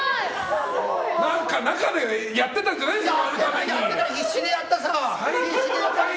何か中でやってたんじゃないんですか？